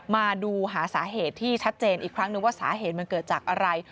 มาดูหาสาเหตุที่ชัดเจนอีกครั้งนึงว่าสาเหตุมันเกิดจากอะไร